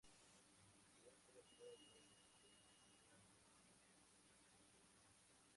El boxeador fue derrotado tras el doceavo round y por decisión de los jueces.